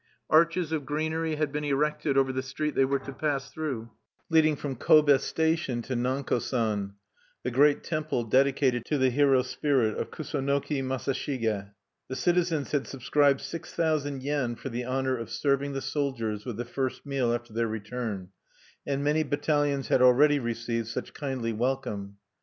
Arches of greenery had been erected over the street they were to pass through, leading from Kobe station to Nanko San, the great temple dedicated to the hero spirit of Kusunoki Masashige. The citizens had subscribed six thousand yen for the honor of serving the soldiers with the first meal after their return; and many battalions had already received such kindly welcome.